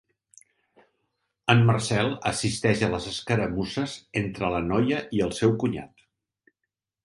El Marcel assisteix a les escaramusses entre la noia i el seu cunyat.